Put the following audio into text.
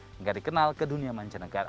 hingga dikenal ke dunia mancanegara